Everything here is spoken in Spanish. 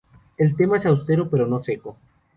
El tema es austero, pero no seco.